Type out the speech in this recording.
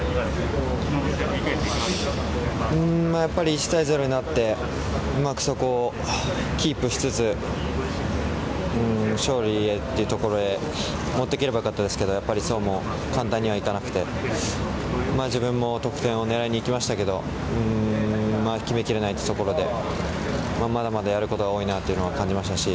１対０になってうまくそこをキープしつつ勝利へというところで持っていければ良かったですけどやっぱりそうも簡単にはいかなくて自分も得点を狙いにいきましたけど決めきれなかったところでまだまだやることが多いなと感じましたし。